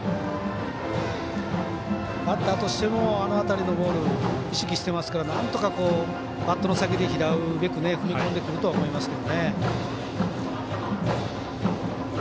バッターとしてもあの辺りのボール意識してますからなんとかバットの先で拾うべく踏み込んでくるとは思いますが。